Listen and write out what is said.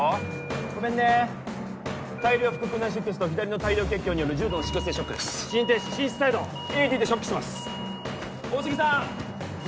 ごめんね大量腹腔内出血と左の大量血胸による重度の出血性ショックです心停止心室細動ＡＥＤでショックします大杉さん！